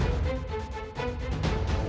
aku mengakui kalah